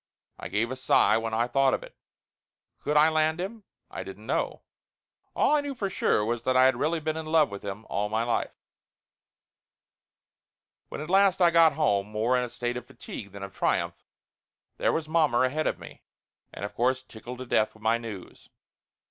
I give a sigh when I thought of it. Could I land him? I didn't know. All I knew for sure was that I had really been in love with him all my life. When at last I got home, more in a state of fatigue than of triumph, there was mommer ahead of me, and of course tickled to death with my news.